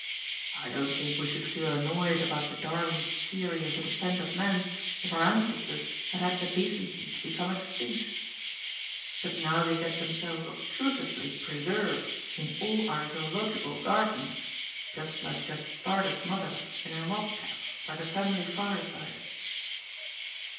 I don't think we should feel annoyed about the Darwin theory of the descent of man, if our ancestors had had the decency to become extinct. But now they get themselves obtrusively preserved in all our Zoological Oar 236 GOD'S FOOL. dens, just like Judge Starter's mother, in her mob cap, by the family fireside."